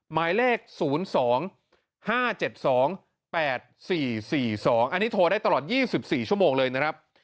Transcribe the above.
หมายเลข๐๒๕๗๒๘๔๔๒อันนี้โทรได้ตลอด๒๔ชั่วโมงเลยนะครับ